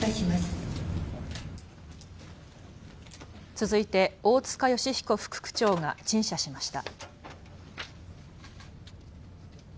続いて大塚善彦副区長が陳謝しました。